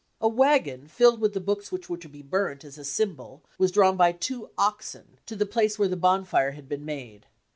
A wagon filled with the books which were to be burnt as a symbol was drawn by two oxen to the place where the bonfire had been made.